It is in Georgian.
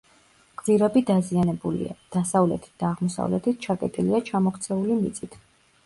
გვირაბი დაზიანებულია: დასავლეთით და აღმოსავლეთით ჩაკეტილია ჩამოქცეული მიწით.